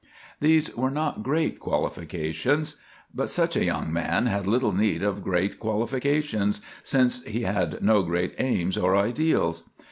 These were not great qualifications; but such a young man had little need of great qualifications, since he had no great aims or ideals.